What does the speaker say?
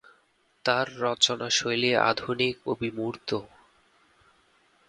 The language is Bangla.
তাঁর রচনাশৈলী আধুনিক ও বিমূর্ত।